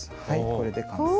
これで完成。